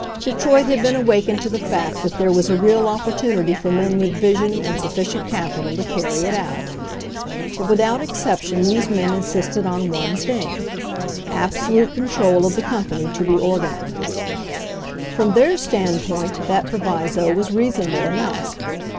Detroit had been awakened to the fact that there was a real opportunity for men with vision and sufficient capital to carry it out. But without ex ception these men insisted on one thing — absolute control of the company to be organized. From their standpoint that proviso was rea sonable enough.